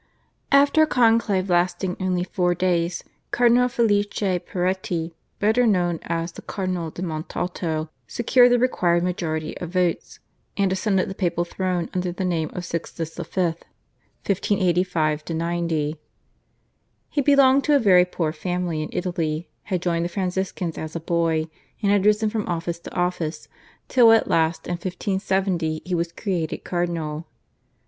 After a conclave lasting only four days Cardinal Felice Peretti, better known as the Cardinal di Montalto, secured the required majority of votes, and ascended the papal throne under the name of Sixtus V. (1585 90). He belonged to a very poor family in Italy, had joined the Franciscans as a boy, and had risen from office to office till at last in 1570 he was created cardinal.